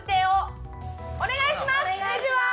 お願いします！